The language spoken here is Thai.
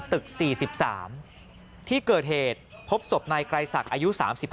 ชั้น๑ตึก๔๓ที่เกิดเหตุพบสบในไกรศักดีอายุ๓๕